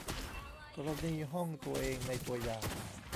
กรณีห้องตัวเองในตัวอย่าง